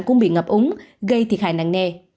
cũng bị ngập úng gây thiệt hại nặng nệ